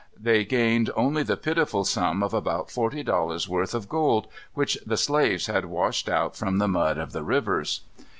They gained only the pitiful sum of about forty dollars' worth of gold, which the slaves had washed out from the mud of the rivers.